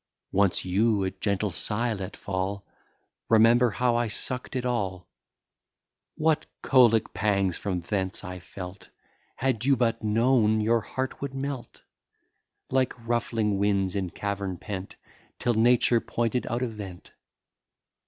Once you a gentle sigh let fall; Remember how I suck'd it all; What colic pangs from thence I felt, Had you but known, your heart would melt, Like ruffling winds in cavern pent, Till Nature pointed out a vent.